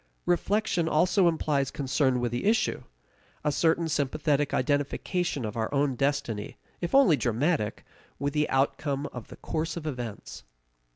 Reflection also implies concern with the issue a certain sympathetic identification of our own destiny, if only dramatic, with the outcome of the course of events.